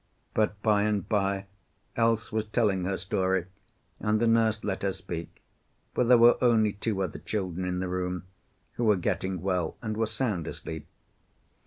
But by and by Else was telling her story, and the nurse let her speak, for there were only two other children in the room, who were getting well and were sound asleep.